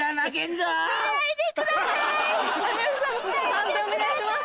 判定お願いします。